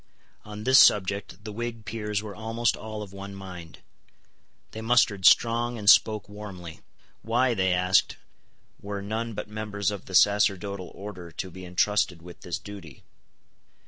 On this subject the Whig peers were almost all of one mind. They mustered strong, and spoke warmly. Why, they asked, were none but members of the sacerdotal order to be intrusted with this duty?